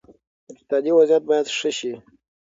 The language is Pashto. اقتصادي وضعیت باید ښه شي.